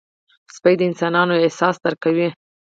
سپي د انسانانو احساس درک کوي.